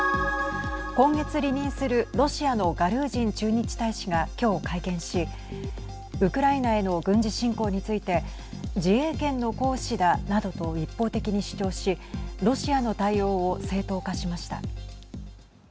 今月、離任するロシアのガルージン駐日大使が今日会見しウクライナへの軍事侵攻について自衛権の行使だなどと一方的に主張しロシアの対応を正当化しました。